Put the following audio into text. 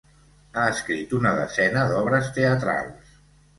Ha escrit una desena d'obres teatrals.